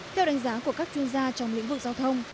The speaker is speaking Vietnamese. theo đánh giá của các chuyên gia trong lĩnh vực giao thông